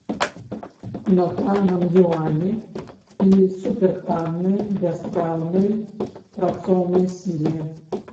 На танным юані і супертаннай, бяспраўнай працоўнай сіле.